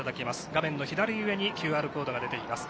画面の左上にＱＲコードが出ています。